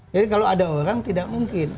kalau ada orang tidak mungkin